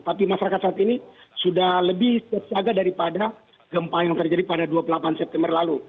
tapi masyarakat saat ini sudah lebih tersaga daripada gempa yang terjadi pada dua puluh delapan september lalu